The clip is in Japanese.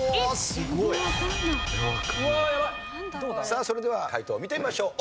さあそれでは解答を見てみましょう。